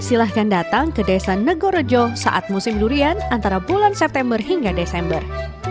silahkan datang ke desa negorojo saat musim durian antara bulan september hingga desember